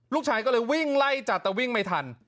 ลูกชายก็เลยวิ่งไล่จับแต่วิ่งไม่ทัน